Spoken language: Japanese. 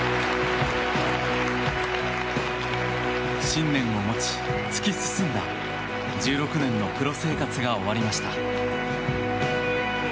信念を持ち、突き進んだ１６年のプロ生活が終わりました。